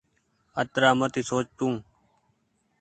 اترآ مت سوچ تو۔